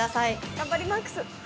◆頑張りマックス！